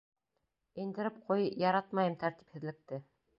Индереп ҡуй, яратмайым тәртипһеҙлекте.